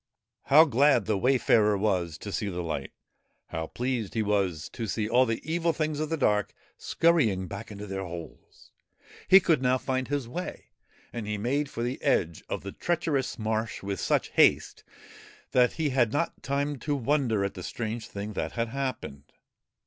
How glad the wayfarer was to see the light I How pleased he was to see all the Evil Things of the dark scurrying back into their holes I He could now find his way, and he made for the edge of the treacherous marsh with such haste that he had not time to wonder at the strange thing that had happened.